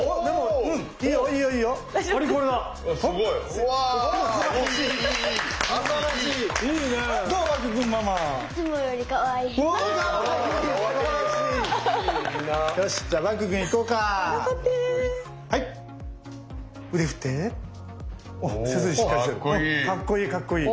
うわかっこいい！